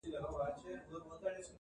• هر غښتلی چي کمزوری سي نو مړ سي -